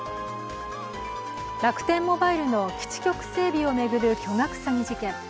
楽天モバイルの基地局整備を巡る巨額詐欺事件。